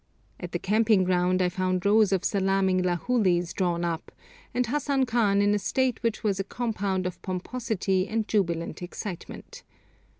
At the camping ground I found rows of salaaming Lahulis drawn up, and Hassan Khan in a state which was a compound of pomposity and jubilant excitement.